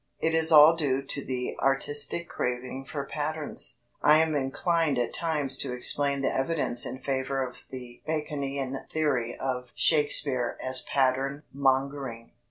It is all due to the artistic craving for patterns. I am inclined at times to explain the evidence in favour of the Baconian theory of Shakespeare as pattern mongering.